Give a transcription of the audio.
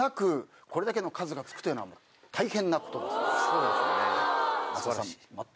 そうですよね。